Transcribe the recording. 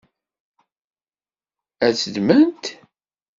Ad tt-ddment?